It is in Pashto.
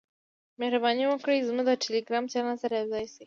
مهرباني وکړئ زموږ د ټیلیګرام چینل سره یوځای شئ .